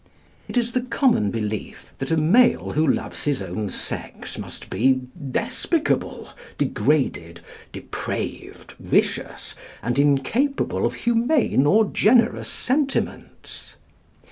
It is the common belief that a male who loves his own sex must be despicable, degraded, depraved, vicious, and incapable of humane or generous sentiments.